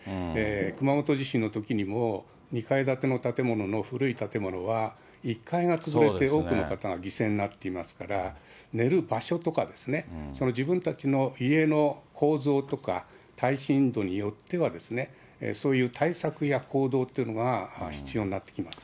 熊本地震のときにも、２階建ての建物の古い建物は、１階が潰れて多くの方が犠牲になっていますから、寝る場所とかですね、その自分たちの家の構造とか耐震度によっては、そういう対策や行動っていうのが必要になってきます。